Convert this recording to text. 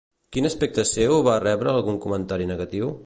Quin aspecte seu va rebre algun comentari negatiu?